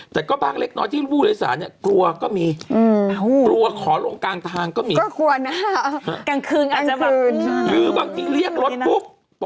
ใช่เยอะมากแล้วก็ส่วนใหญ่คือแล้ว